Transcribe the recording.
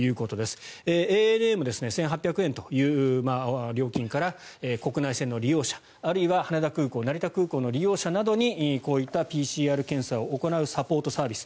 ＡＮＡも１８００円という料金から国内線の利用者あるいは羽田空港、成田空港の利用者などにこういったＰＣＲ検査を行うサポートサービス